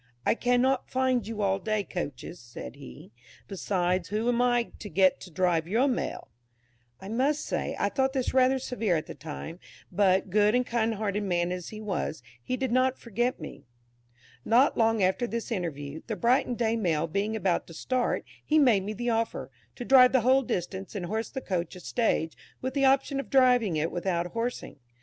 "I cannot find you all day coaches," said he; "besides, who am I to get to drive your Mail?" I must say, I thought this rather severe at the time, but, good and kind hearted man as he was, he did not forget me. Not long after this interview, the Brighton Day Mail being about to start, he made me the offer, to drive the whole distance and horse the coach a stage, with the option of driving it without horsing.